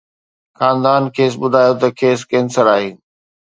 خاندان کيس ٻڌايو ته کيس ڪينسر آهي